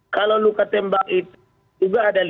kalau luka tembak itu juga ada lima